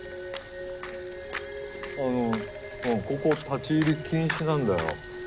あのここ立ち入り禁止なんだよ。